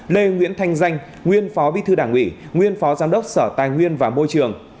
năm lê nguyễn thanh danh nguyên phó bí thư đảng ủy nguyên phó giám đốc sở tài nguyên và môi trường